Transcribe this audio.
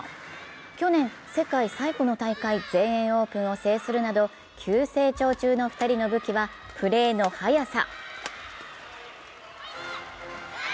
去年世界最古の大会、全英オープンを制するなど急成長中の２人の武器はプレーの速さ。